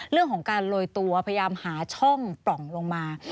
เรื่องของการโรยตัวพยายามหาช่องปล่องลงมา